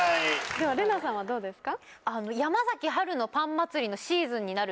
では怜奈さんはどうですか？